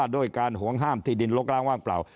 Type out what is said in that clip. ด้วยการห่วงห้ามที่ดินลกล้างว่างเปล่า